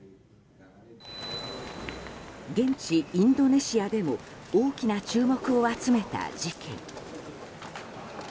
現地インドネシアでも大きな注目を集めた事件。